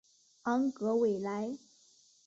昂格维莱。